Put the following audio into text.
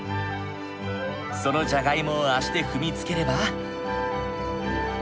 そのじゃがいもを足で踏みつければ。